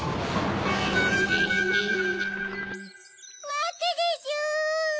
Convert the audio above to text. まってでちゅ！